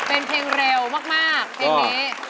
เป็นเพลงเร็วมากเพลงนี้